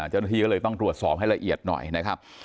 เจ้าหน้าที่ก็เลยต้องตรวจสอบให้ละเอียดหน่อยนะครับ